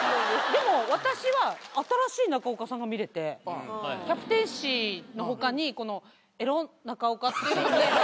でも私は新しい中岡さんが見れてキャプテンシーの他にこのエロ中岡っていうので。